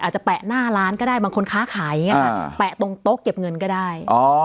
จะแปะหน้าร้านก็ได้บางคนค้าขายอย่างนี้ค่ะแปะตรงโต๊ะเก็บเงินก็ได้